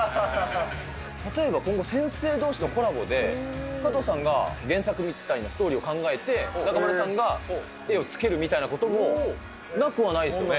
例えば今後、先生どうしのコラボで、加藤さんが原作みたいなストーリーを考えて、中丸さんが絵をつけるみたいなことも、なくはないですよね。